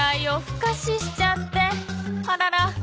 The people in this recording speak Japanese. ふかししちゃってあらら。